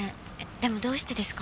でもどうしてですか？